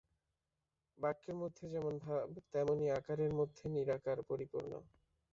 বাক্যের মধ্যে যেমন ভাব তেমনি আকারের মধ্যে নিরাকার পরিপূর্ণ।